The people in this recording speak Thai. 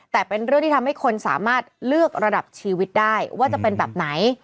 แต่เป็นเรื่องที่ทำให้คนสามารถเลือกระดับชีวิตได้ว่าจะเป็นแบบไหน